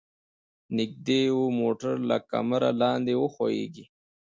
نږدې و موټر له کمره لاندې وښویيږي.